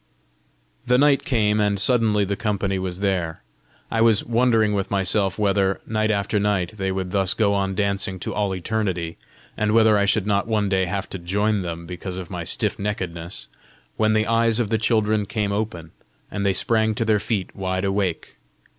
The night came, and suddenly the company was there. I was wondering with myself whether, night after night, they would thus go on dancing to all eternity, and whether I should not one day have to join them because of my stiff neckedness, when the eyes of the children came open, and they sprang to their feet, wide awake.